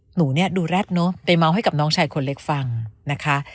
หนูเนี่ยดูแร็ดเนอะไปเมาส์ให้กับน้องชายคนเล็กฟังนะคะ